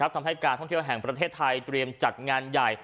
ทำให้การท่องเที่ยวแห่งประเทศไทยเตรียมจัดงานใหญ่